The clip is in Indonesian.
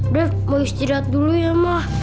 dev mau istirahat dulunya ma